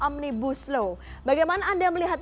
omnibus law bagaimana anda melihat